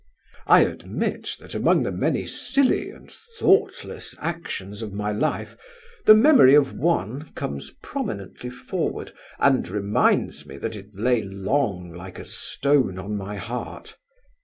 I admit, that among the many silly and thoughtless actions of my life, the memory of one comes prominently forward and reminds me that it lay long like a stone on my heart.